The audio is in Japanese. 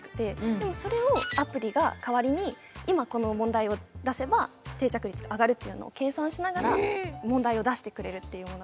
でもそれをアプリが代わりに今この問題を出せば定着率が上がるというのを計算しながら問題を出してくれるというものが。